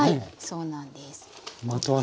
そうなんです。